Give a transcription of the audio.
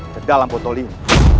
kedalam potol ini